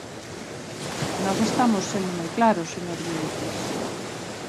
Nós estamos sendo moi claros, señor Bieites.